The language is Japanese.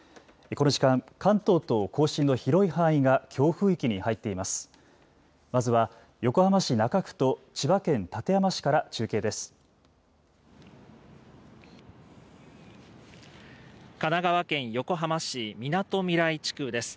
この時間、関東と甲信の広い範囲が強風域に入っています。